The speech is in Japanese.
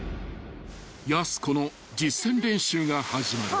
［やす子の実践練習が始まる］